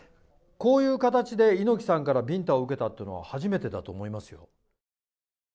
こういう形で猪木さんからビンタを受けるのは初めてだと思いますよ。